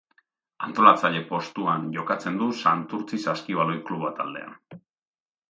Antolatzaile postuan jokatzen du Santurtzi Saskibaloi Kluba taldean.